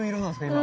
今。